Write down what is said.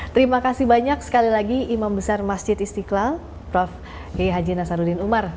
terima kasih banyak sekali lagi imam besar masjid istiqlal prof g haji nasaruddin umar